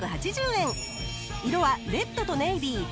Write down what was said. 色はレッドとネイビー。